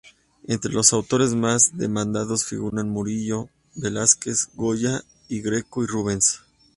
Entre los autores más demandados figuran Murillo, Velázquez, Goya, el Greco y Rubens.